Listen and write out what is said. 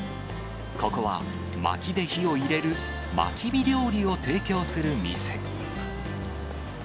ここは、まきで火を入れるまき火料理を提供する店。